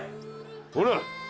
ほら。